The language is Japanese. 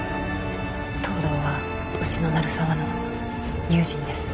東堂はうちの鳴沢の友人です